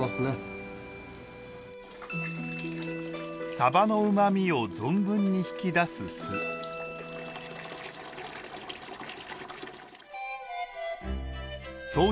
さばのうまみを存分に引き出す酢創業